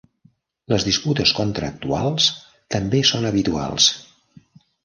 Les disputes contractuals també són habituals.